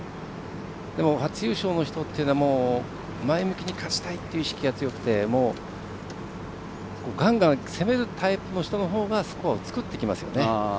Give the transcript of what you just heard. でも初優勝という人は前向きに勝ちたいという意識が強くて、がんがん攻めるタイプの人のほうがスコアを作ってきますよね。